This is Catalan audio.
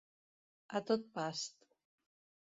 A tot past.